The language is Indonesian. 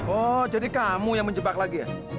oh jadi kamu yang menjebak lagi ya